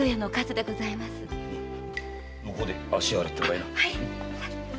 むこうで足を洗ってもらいな。